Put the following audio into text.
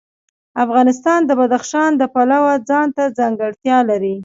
افغانستان د بدخشان د پلوه ځانته ځانګړتیا لري.